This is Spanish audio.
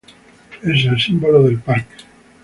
Es el símbolo del parque.